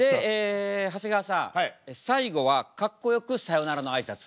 長谷川さん最後はかっこよく「さようなら」のあいさつ。